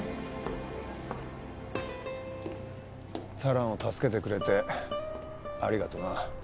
四朗を助けてくれてありがとな。